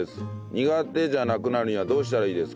苦手じゃなくなるにはどうしたらいいですか？